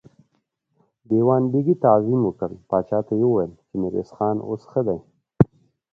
دېوان بېګ تعظيم وکړ، پاچا ته يې وويل چې ميرويس خان اوس ښه دی.